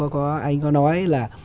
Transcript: có anh có nói là